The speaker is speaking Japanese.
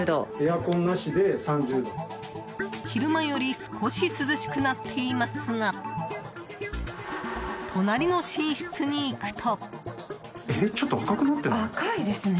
昼間より少し涼しくなっていますが隣の寝室に行くと。